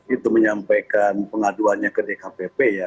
itu menyampaikan pengaduannya ke dkpp ya